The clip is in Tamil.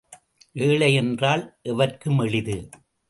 ஏழை என்றால் எவர்க்கும் எளிது.